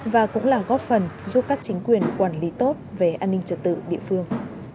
và cũng là góp phần giúp các chính quyền quản lý tốt về an ninh trật tự địa phương